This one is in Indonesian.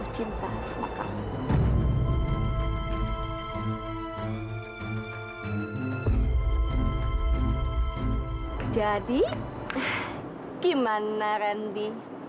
jadi gimana randi